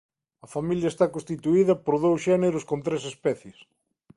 A familia está constituída por dous xéneros con tres especies.